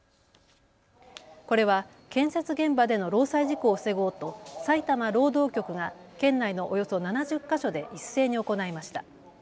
これは建設現場での労災事故を防ごうと埼玉労働局が県内のおよそ７０か所で一斉に行いました。